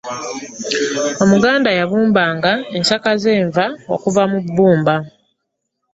omuganda yabumba nga ensaka z'enva okuva mu bumba